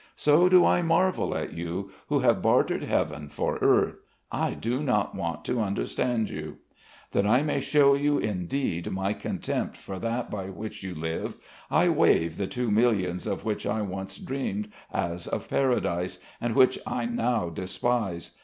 So do I marvel at you, who have bartered heaven for earth. I do not want to understand you. "That I may show you in deed my contempt for that by which you live, I waive the two millions of which I once dreamed as of paradise, and which I now despise.